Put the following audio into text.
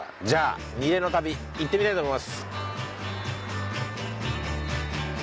じゃあ楡の旅行ってみたいと思います。